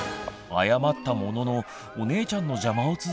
謝ったもののお姉ちゃんの邪魔を続けるともやくん。